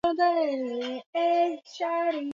Kisichowezekana niwezeshe.